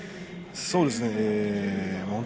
そうですね。